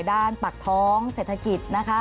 ปากท้องเศรษฐกิจนะคะ